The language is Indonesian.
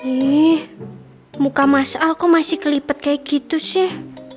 ih muka mas al kok masih kelipet kayak gitu sih